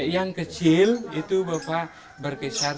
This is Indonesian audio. yang kecil itu berkisar satu empat ratus